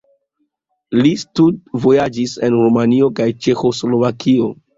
Li studvojaĝis en Rumanio kaj Ĉeĥoslovakio.